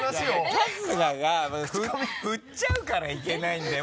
春日が振っちゃうからいけないんだよ。